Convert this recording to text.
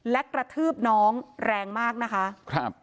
และกระทืบน้องแรงมากนะคะครับ